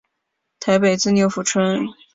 台北至六福村。